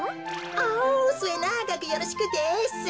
おすえながくよろしくです。